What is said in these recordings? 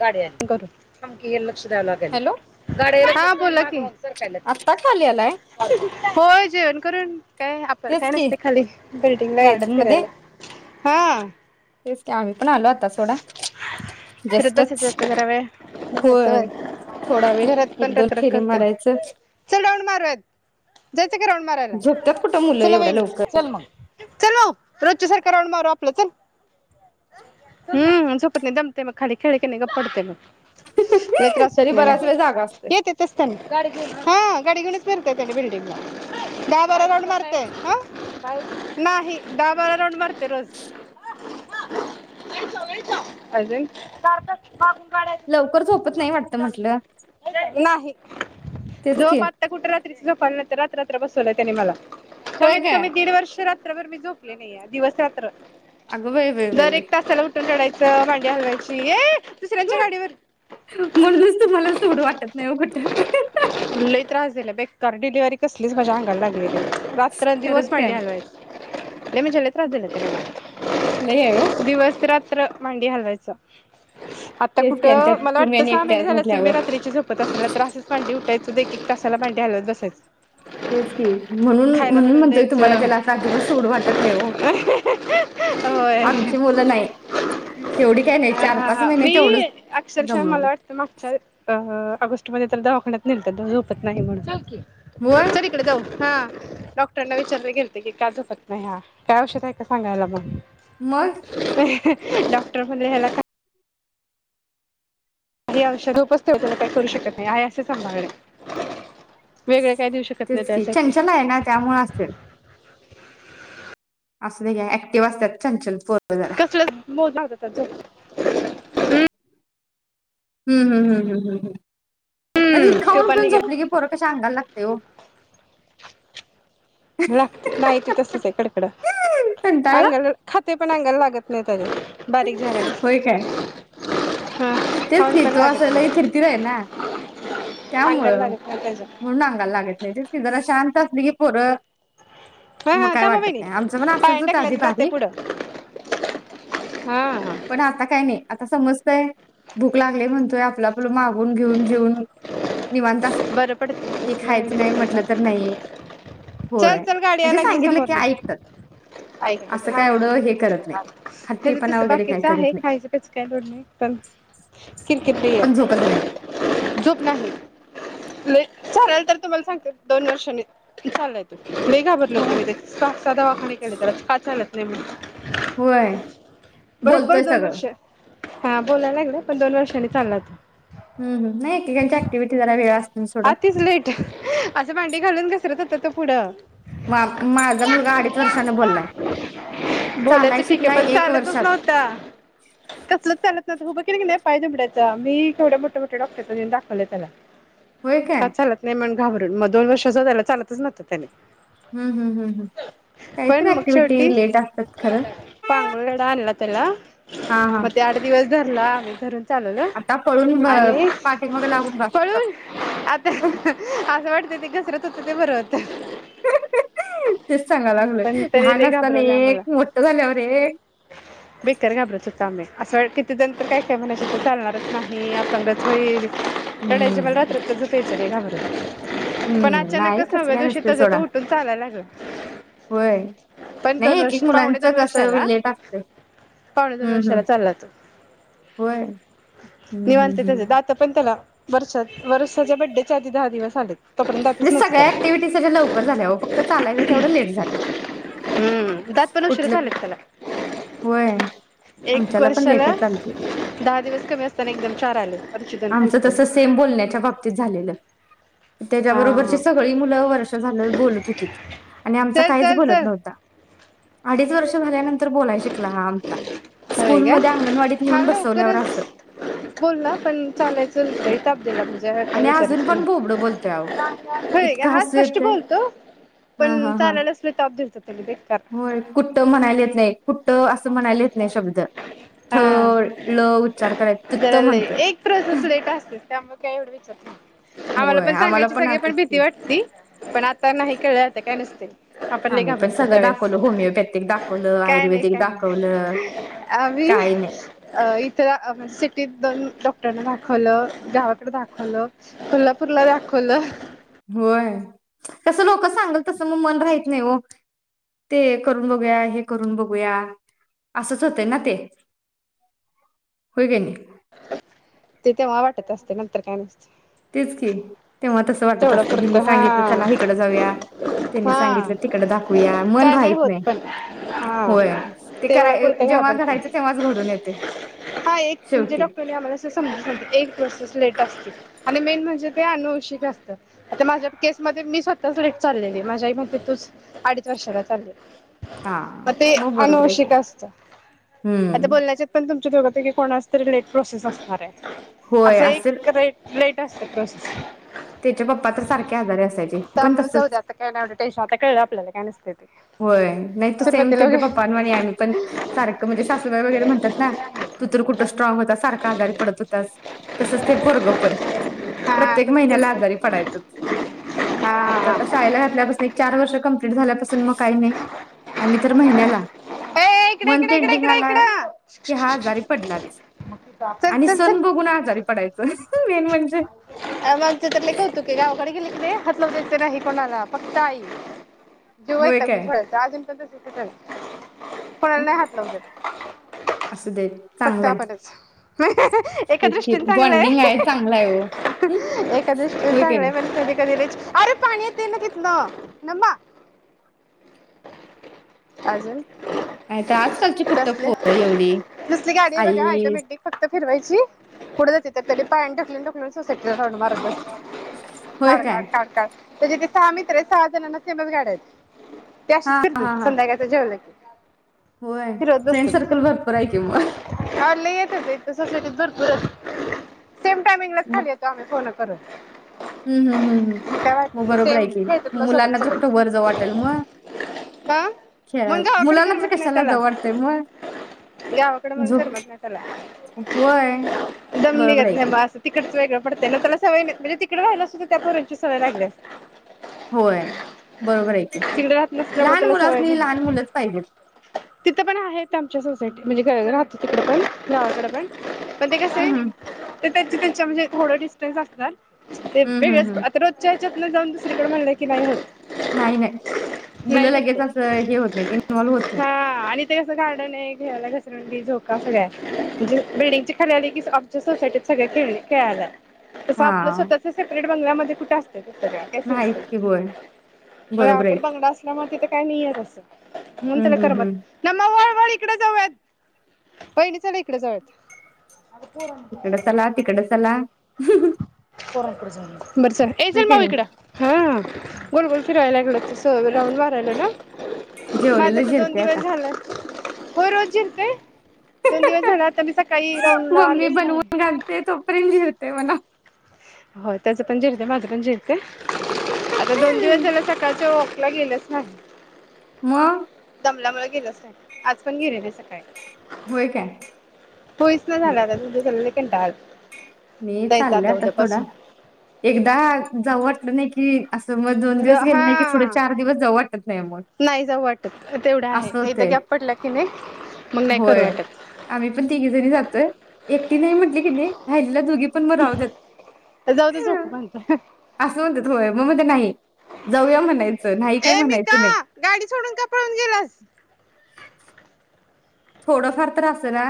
गाडी आली थांब की एल... फिराय हॅलो लागालंय गाडी आली थांब. बोला.... आत्ता खाली आलाय होय जेवण कि कारण काय आपण तेच काय की नसते खाली बिल्डिंग ला यायच गार्डन मध्ये फिरायला हा तेच की आम्ही पण आलो आता सोडा फिरत जस्टच बसायचं होत जरा वेळ जायचं व होय थोडा वेळ घरात पण एक दोन रखरख फेरी करतय मारायचं चल राऊंड मारूयात जायचं ग राऊंड मारायला.. झोपतात कुठं मुलं चला एवढ्या वहिनी, चल मग चलो कालच्या सारखं राऊंड मारू आपलं चल हम्म झोपत नाही दमतय म खाली.... खेळ कि नाही गप पडतेय... लई लवकर त्रास तरी होत नाही ना. बराच वेळ जागा असतोय ये तिथंच थांब. हा गाडी घेऊनच फीरते त्यांनी बिल्डींग ला दहा-बारा राऊंड मारतय ह नाही दहा-बारा राऊंड मारते रोज आज [unintelligible] लवकर झोपत नाही मी वाटत म्हटलं चालले नाही तेच की झोप आता कुठे रात्री च झोप....... पहिलं तर रात्र रात्र बसवलं त्यानी मला..... होय कमीत काय कमी दीड वर्ष रा रात्रभर मी झोपले नाही आहे दिवस-रात्र अगं बाई बाई बाई दर एक बाई तासाला उठून रडायचं...... नुसतं मांडी हलवायची. येे म्हणूनच तुम्हाला सोडू वाटत नाही ओ कुठ. लई त्रास दिला बेकार डिलिव्हरी कसलीच माझ्या अंगाला लागली.... रात्र दिवस खरंच काय मांडी हलवायची म्हणजे लय त्रास झाला लय आहे हो दिवस रात..... नुसतं मांडी हलवायचं... [inaudible] आता तेच की आणि कुठं त्यात मला तुम्ही वाटतं आणि सहा महिने एकट्याच झाले असतील मी म्हटल्यावर रात्रीची झोपत असेल नाही तर रात्री असं उठायचं. एक एक तासाला माडी हलवत बसेच...... तेच की म्हणून, म्हणून म्हणतोय तुम्हाला द्यायचं त्याला असं अजिबात सोडू वाटत नाही ओ. होय आमची मुलं नाही शेवटी काय नाही चार पाच अ महिने मी तेवढंच अक्षरशः दमवलं मला वाटतं मागच्या अ ऑगस्टमध्ये तर दवाखान्यात नेलत तो झोपत नाही म्हणून... होय चल इकडं जाऊ...... हा. डॉक्टरना विचारला गेलते की का झोपत नाही हा काय औषध आहे का सांगा याला म्हणून मग डॉक्टर म्हणे हेला का ही औषध उपसतोय. त्याला काही करू शकत नाही आहे असे सांभाळलय. तेच की छानछान आहे ना त्यामुळे असेल [inaudible] असुदे घ्या का ऍक्टिव्ह असतात छान-छान पो कसलं मोज आर्धा तास झोप हम्म हूं हूं हूं हूं अरे हम्म तो खाऊन पाणी पण झोपली की पोरं कशी सांगाय लागतय ओ लागत नाहीती तसच कडकडं कंटाळला अंगाला खातय पण अंगाला लागत नाही त्याच्या बारीक झाल्या होय काय हा तेच खाऊन की पण तो लागत असा लय नाही थीरथीरा हाय ना त्यामुळ अंगाला लागत नाही त्याच्या म्हणून अंगाला लागत नाय तेच की जरास शांत असली की पोरं हा मग हा काय थांबा वाटत वहिनी नाही आमचं पण असंच पायान होतं आधी ढकलत जाते बारीक पुढं हा हा पण आता काय नाही. आता समजतय भूक लागले म्हणतोय आपल आपलं आपलं मागून घेऊन जेऊन निवांत असतय बरं हे खायचं नाही म्हटलं तर पडत नाही होय चल चल गाडी याय म्हणजे लागली सांगितलं की समोरन ऐकतात ऐक असं काय हा एवढं हे करत नाय. त्याच तस बाकीच आहे खायचं, प्यायचं काय लोड नाही पण की पण झोपच नाय. झोप नाही येत. लय चालायला तर तुम्हाला सांगते दोन वर्षांनी चाललाय तो लय घाबरले हो होते मी ते सहासहा दवाखाने केले त्याला का चालत प्रेम होय बोलतोय दोन सगळं. वर्ष हा बोलायला लागले पण दोन वर्षांनी चालला तो. हम हम्म नाही एकेकांची ऍक्टिव्हटी जरा वेळ अस आतिच लेट असं डी घालून घसरत होतो तो पुढं माझा मुलगा अडीच वर्षाने बोललाय बोलायचं चालाय ठीक आहे शिकलाय पण एक चालतच वर्षात. नव्हता कसलंच चालत उभं केलं की पाय दुमडायचा. मी केवढ्या मोठया-मोठ्या डॉक्टरांकडे नेऊन दाखवलंय त्याला. होय काय [unintelligible] घाबरून मग दोन वर्षाचा झाला चालतच नव्हंत त्याने हम् हम् हम् हम् पण काहीतर मग ऍक्टिव्हीटी शेवटी लेट असतात खरं चला हा हा [unintelligible] मग ते आठ दिवस [unintelligible] आम्ही चालवलं आता पळून मग आणि पाठीमाग लागून बास होत पळून असल? आता [unintelligible] आज वाटत ते घसरत होत ते बर होत तेच पण सांगालागलोय तरी लहान लय असताना घाबरवलं आम्हाला एक मोठ झाल्यावर एक बेकार [unintelligible] [unintelligible] असं किती जण तर काय काय म्हणत होते चालणारच नाही अपंगच होईल? हम्म [unintelligible] घाबरत पण हम्म नाही अचानकच तसं नव्या काय दिवशी नसते सोडा तेजतो उठून चालायला लागला होय [inaudible] पण नाही दोन एक वर्ष एक पावणे मुलांचं दोन कसं वर्षाला लेट असते पावणे दोन हम्म वर्षाला हम्म चालला तो होय हम्म हम्म निवांत त्याच हम्म दात पण त्याला वर्षात वरशेच्या बड्डेच्या आधी दहा दिवस आलेत म्हणजे सगळ्या ऍक्टिव्हिटी त्याच्या लवकर झाल्या ओ फक्त चालायचं तेवढं लेट झालं हम्म दात पण उशिराच कुठलं आलेत त्याला होय एक आमच्याला पण वर्षाला लेटच चालते दहा दिवस कमी असताना एकदम चार आले वरची दोन आमचं खालची दोन तस सेम बोलण्याच्या बाबतीत तेच झालेलं त्याच्या हा बरोबरची हा सगळी मुलं वर्ष झालं बोलत होती त्याच्या बरोबरची सगळी मुलं वर्ष झालं बोलत होतीत आणि आमचा चल काहीच चल बोलत चल नव्हता अडीच वर्ष झाल्यानंतर बोलाय शिकला हा आमचा होय स्कूल का मध्ये अंगणवाडीत हा नेऊन बसवल्यावर अस चालायचंच लै ताप दिला म्हणजे काय आणि विचारच अजून पण बोबडं बोलतोय अहो नाही होय का इतकं हा हसू स्पष्ट येतंय बोलतो हं पण हं हं चालायलाच लय ताप दिलता त्याने बेकार होय कुठं म्हणायला येत नाही कुठं असं म्हणायला येत नाही शब्द थ हा ल उच्चार कराय तत जरा लय म्हणतोय एक प्रोसेस लेट असतेच त्यामुळे [unintelligible] आम्हाला होय पण सांगायची सगळे पण असंच भीती की वाटती पण आता नाही कळलयं आत्ता काय नसतयं आम्ही पण सगळं दाखवलं होमिओपॅथिक दाखवलं काय नाही आयुर्वेदिक दाखवलं आम्ही काही नाही इथ सिटीत दोन डॉ दाखवलं गावाकडे दाखवलं कोल्हापूरला दाखवलं होय तस लोक सांगल तस मग मन राहत नाही हो ते करून बघूया हे करून बघूया असंच होतंय ना ते होय ग य ते तेव्हा वाटत असते नंतर काय नसते तेच की तेव्हा तसं वाटत तेवढं असते हिनी पुरतं सांगितलं चला हा हिकड जाऊया त्यांनी हा सांगितलं तिकडं दाखूया मन काय राहत होत नाही पण हा होय ते तेवढ्या कराय पुरतं जेव्हा घडयचं घाबरते तेव्हाच घडून येते हा एक म्हणजे शेवटी. डॉक्टरने आम्हाला असं समजत नव्हतं एक प्रोसेस लेट आणि मेन म्हणजे ते अनुवंशिक असतं. आता माझे केस मध्ये मी स्वतः सिलेक्ट चाललेली माझी आई म्हणते तू अडीच वर्षांनी चाललेली हा आता हे मग बरोबर आहे की अनुवंशिक असतं आता हम्म बोलण्याचा पण सर्टिफिकेट कोणाच तरी लेट प्रोसेस असणार रे होय असं असेल एक रे-रेलेट कस कस त्याच्या पप्पा तर सारखे आजारे असायचे ते पण त्यामुळे जाऊ तसच दे आता काय नाही एवढं टेन्शन आता कळलं आपल्याला काय नसते ते. होय नाही तो सेम सुरवातीला त्यांच्या वगे पप्पा वाणी सारखं म्हणजे सासुबाई वगैरे म्हणतात ना तू तर कुठे स्ट्रॉंग होता सरकार आजारी तसेच ते पोरगं पण हा प्रत्येक तसच महिन्याला आजारी असत पडायचं आता हा तर शाळेला घातल्यापासून चार वर्ष कम्पलेट झाल्यापासून मग, आम्ही तर महिन्याला ए इकडे इकडे इकडे मंथएंडिंग इकडे आला इकडं हा आजारी पडलाच आणि सण बघून आजारी पडायचा आ आमचा तर लय कौतुक आहे गावाकडे इथे हात लावून देत नाही कुणाला फक्त आई जीव होय वैतागून काय सोडायचा अजून तसंच तिथं य कोणाला नाही हात लावून देत असू दे फक्त चांगला आहे आपणच एका तेच की दृष्टीने चांगलय. बॉन्डिंग आहे चांगला आहे हो हम्म एकादशीचा होय काय चांगला नाही आहे पण कधी -कधी अरे पाणी येते ना तिथं थांबा अजून नाही तर आजकालची कुठे कसले पोरं एवढी कसली गाडी आहे बघा आई ऑटोमॅटिक फक्त फिरवायची पुढे जाते कधी पायाने ढकलून ढकलून सोसायटीचा झाडू मारत बसले होय काय खाडखाड टाक टाक त्याचे ते सहा मित्र सहा जणांना सेमच गाड्या येत ते असेच हा फिरतो हा हा संध्याकाळच्या जेवल्यावर होय फ्रेंड सर्कल भरपूर आहे किं, मग लय येत होते सोसायटीत भरपूर सेम टाइमिंग ला खाली येतो बोलत खरंच हु, हु मग बरोबर आहे सेम की खेळतात मग मुलांना सोबत तर कुठे सोबत वर जाऊ वाटत मंग का मग खेळायला गावाकडे मुलांना तर करमत नाही कशाला त्याला जाऊ वाटतय मग गावाकडे मग झोप करमत नाही त्याला व्हय दम बरोबर निघत आहे नाही की मग असं तिकडच वेगळं पडतय ना, त्याला सवय म्हणजे तिकड राहिलो असतो तर त्या पोरांची सवय लागली असती. होय बरोबर आहे की, तिकडे राहत नसल्यामुळे लहान त्याला सवय मुलासनी नाही लहान मुलंच पाहिजेत. तिथं पण आहेत आमच्या सोसायटी म्हणजे काय राहतो तिकड पण, गावाकड पण? पण ते कसंय हम्म हम्म ते त्याच्या त्याच्या म्हणजे थोडं डिस्टन्स असणार. ते हम्म हम्म वेगळ्याच हम्म आता रोजच्या आहे [unintelligible] जाऊन दुसरीकड म्हणलं की नाही होत. नाही नाही नाही मुलं जात तो, लगेच असं हे होत नाहीत इन्व्हॉल्व्ह होत नाहीत हा आणि ते कस गार्डन आहे खेळायला घस घसरगुंडी, झोका सगळं आहे म्हणजे बिल्डिंगच्या खाली आलं की आमच्या सोसायटीत सगळी खेळणी खेळाल्यात. तस हा आपलं स्वतःच सेपरेट बंगल्यामध्ये कुठ अस म नाहीच की होय बरोबर आहे गावाकडे की बंगला असल्यामुळ तिथं काय नाहीये तसं म्हणून हम्म त्याला हम्म करमत हम्म [unintelligible] पळ इकडे जाऊयात, पहिली चल इकड जाऊयात. अगं पोरांची तिकड चला पोरांकड जाऊयात. बरं चल ए चल की माऊ इकड नाही हां गोल गोल फिरायला लागलं तसं राऊंड मारायला ना? माझं जेवलेलं तर दोन जिरतय आता. दिवस झालं होय रोज जिरतय? दोन दिवस झाल आता मी सकाळी राऊंडला आलेच नाही. ते तोपर्यंत जिरतय म्हणा. होय त्याचं पण जिरतय, माझं पण जिरतय. आता दोन दिवस झाले सकाळच वाॅक ला गेल्याच ना मग? उन्हामुळ गेलोच नाही, आज पण गेले नाही सकाळी. होय काय? होईचना झालंय आता [inaudible] कंटाळा आलाय. मी चालल्या आता थोडा एकदा जावु वा [unintelligible] की अस मग दोन र दिवस गेल हा नाही की पुढ चार दिवस जाऊ वाटत नाही मग, नाही जाऊ वाटत तेवढं आहे असं एकदा होतय. गॅप पडला की नाही मग नाही करू होय, वाटत आम्ही पण तिघी जणी जातोय. एकटी नाही म्हटली की नाही राहिलेल्या दोघी पण मग राहूत जाऊदे झोका बांधतोय. म मध्ये नाही जाऊया म्हणायचं नाही काय ए मी का म्हणायचं नाही. गाडी सोडून का पळून गेलास. थोडंफार तर असणा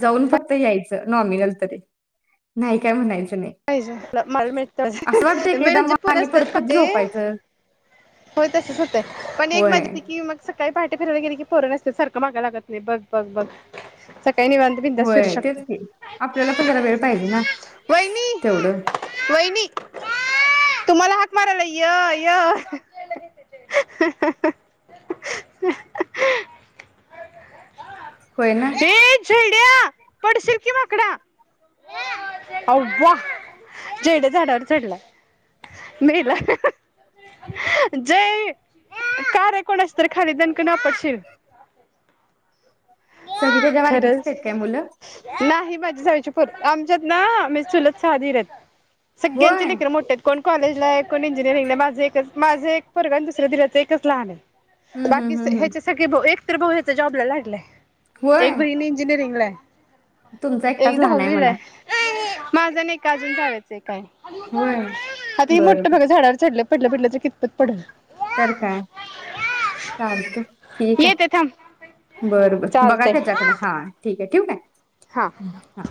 जाऊन फक्त याय नॉमीनल तरी नाही काय म्हणायचं नाही. पाहिजे मला मिेटत असं वाटतंय म की एकदा म्हणजे मग पुर आणि असते परत कधी पटे झोपायचं हो तसेच होते पण एक होय माज की मग सकाळी पहाटे फिरवायला गेला की पोरं नसत्यात सारखं मागा लागत बघ बघ बघ सग होय तेच की आपल्याला पण जरा वेळ पाहिजे ना. वहिनी तेवढं वहिनी तुम्हांला हाक मारालय य य. होय ना. ये पडशील की माकडा अव्वा जयड्या झाडावर चडलाय जय कार आहे कोणाच तर खाली त्यां पकड ना पडशील सगळी त्याच्या बारकीचीच खरंच आहेत काय मुलं? नाही मज जायची प आमच्यात ना आम्ही चुलत सहा धीर आहेत होय. सगळ्यांचे लेकर मोठे आहेत कोण कॉलेजलाय कोण इंजिनिअरिंगला माझे एकच माझे पोरगा दुसऱ्या धीराचं एकच लहान आहे. हं बाकी हं हं हं. ह्याच्या सग एक तर भाऊ याचा जॉब लागलाय. एक होय. बहिन इंजिरीिंगलाय तुमचा एकटाच लहान आहे म्हणा. माझा निकाल अजुन घावायचाय काय होय. आता ही बरं मोठ बरं. बघ झाडावर चडलं पटल पटल जे कितपत पडल तर काय चालत ठीक येते थांब आहे बर बर बघा चालतय त्याच्याकड हा ठीक ठिवू काय हा ह हा